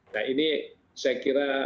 nah ini saya kira